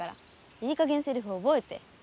いいかげんセリフおぼえて。